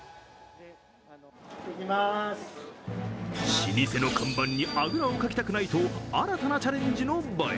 老舗の看板にあぐらをかきたくないと新たなチャレンジの場へ。